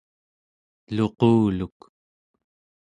luquluk